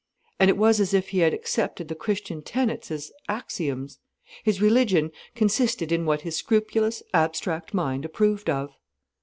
And it was as if he had accepted the Christian tenets as axioms. His religion consisted in what his scrupulous, abstract mind approved of.